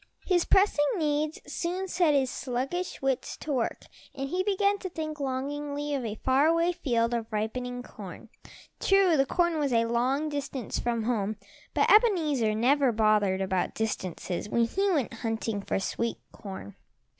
His pressing needs soon set his sluggish wits to work and he began to think longingly of a far away field of ripening corn. True, the corn was a long distance from home, but Ebenezer never bothered about distances when he went hunting for sweet corn.